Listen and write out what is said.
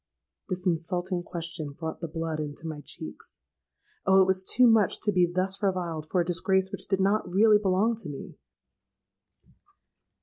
'—This insulting question brought the blood into my cheeks. Oh! it was too much to be thus reviled for a disgrace which did not really belong to me.